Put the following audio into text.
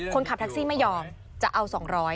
คนขับแท็กซี่ไม่ยอมจะเอา๒๐๐